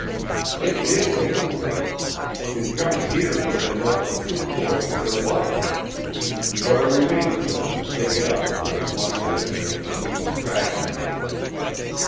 It did wait for them; in coming here they had left the true course of their life, but it remained for them to take it up when once they should make the beaten tracks again.